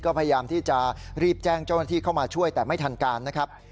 ก็พยายามที่จะรีบแจ้งเจ้าหน้าที่เข้ามาช่วยแต่ไม่ทันการนะครับ